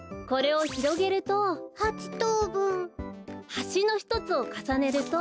はしのひとつをかさねると。